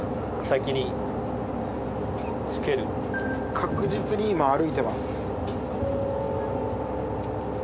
確実に今歩いてます。